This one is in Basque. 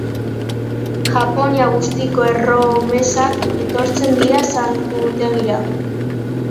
Japonia guztiko erromesak etortzen dira santutegira.